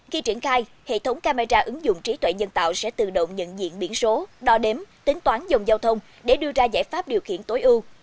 khi triển khai hệ thống camera ứng dụng trí tuệ nhân tạo sẽ tự động nhận diện biển số đo đếm tính toán dòng giao thông để đưa ra giải pháp điều khiển tối ưu